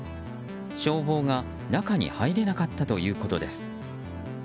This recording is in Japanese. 消防が中に入れなかったということです。